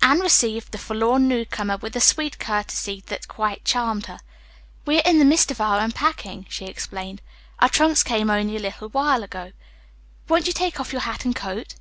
Anne received the forlorn newcomer with a sweet courtesy that quite charmed her. "We are in the midst of our unpacking," she explained. "Our trunks came only a little while ago. Won't you take off your hat and coat?"